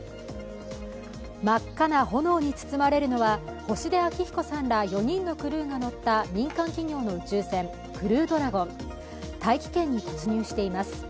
真っ赤な炎に包まれるのは、星出彰彦さんら４人のクルーが乗った民間企業の宇宙船「クルードラゴン」、大気圏に突入しています。